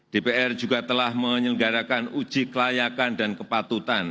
dpr juga telah menyelenggarakan uji kelayakan dan kepatutan